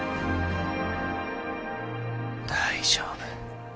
大丈夫。